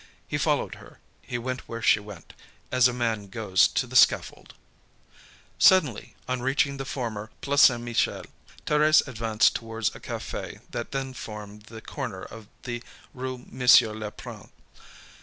He followed her, he went where she went, as a man goes to the scaffold. Suddenly on reaching the former Place Saint Michel, Thérèse advanced towards a cafe that then formed the corner of the Rue Monsieur le Prince.